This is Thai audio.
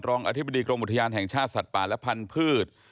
อธิบดีกรมอุทยานแห่งชาติสัตว์ป่าและพันธุ์